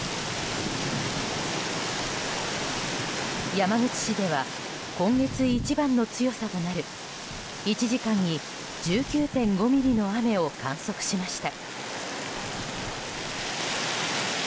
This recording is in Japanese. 山口市では今月一番の強さとなる１時間に１９．５ミリの雨を観測しました。